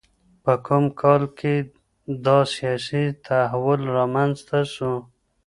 په کوم کال کي دا سياسي تحول رامنځته سو؟